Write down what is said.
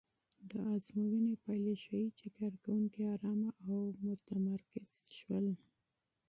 د ازموینې پایلې ښيي چې کارکوونکي ارامه او متمرکز شول.